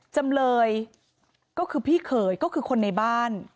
จำเลยก็คือพี่เขยก็คือคนในบ้าน